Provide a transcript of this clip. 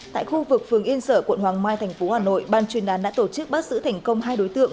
tại khu vực phường yên sở quận hoàng mai tp hà nội ban chuyên đán đã tổ chức bắt xử thành công hai đối tượng